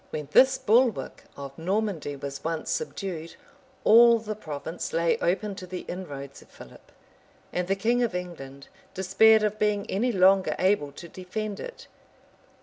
] When this bulwark of Normandy was once subdued, all the province lay open to the inroads of Philip; and the king of England despaired of being any longer able to defend it.